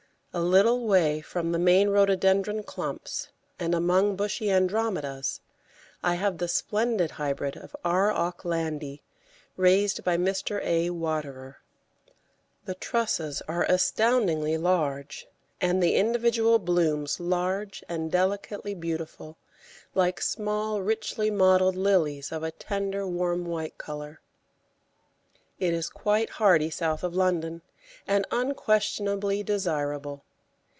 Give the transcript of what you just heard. A little way from the main Rhododendron clumps, and among bushy Andromedas, I have the splendid hybrid of R. Aucklandi, raised by Mr. A. Waterer. The trusses are astoundingly large, and the individual blooms large and delicately beautiful, like small richly modelled lilies of a tender, warm, white colour. It is quite hardy south of London, and unquestionably desirable.